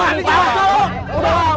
udah lah bang